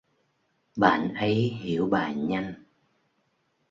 bạn ấy hiểu bài nhanh